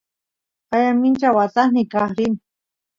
qaya mincha watasniy kaq rin